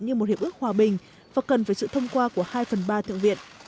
như một hiệp ước hòa bình và cần phải sự thông qua của hai phần ba thượng viện